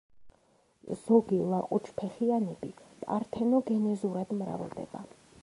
ზოგი ლაყუჩფეხიანები პართენოგენეზურად მრავლდება.